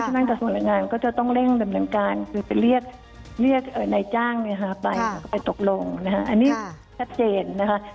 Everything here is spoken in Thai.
ฉะนั้นต่อส่วนเร่งงานก็จะต้องเร่งดำเนินการคือไปเรียกนายจ้างไปตกลงว่าอันนี้แค่เจนนะคะ